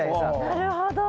なるほど。